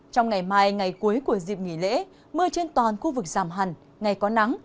trong ngày mai ngày cuối của dịp nghỉ lễ mưa trên toàn khu vực giảm hẳn ngày có nắng